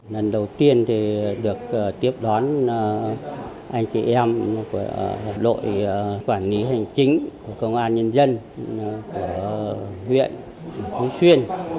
lần đầu tiên thì được tiếp đón anh chị em của đội quản lý hành chính của công an nhân dân của huyện phong xuyên